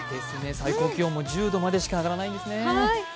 最高気温も１０度までしか上がらないんですね。